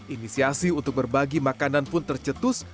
inisiasi untuk berbagi makanan pun tercetus